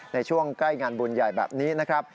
ในช่วงใกล้งานบุญใหญ่แบบนี้นะครับ